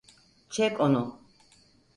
Çek onu!